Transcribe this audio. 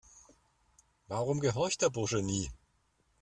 Warum gehorcht der Bursche nie?